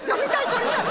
撮りたい！